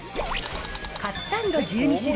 カツサンド１２種類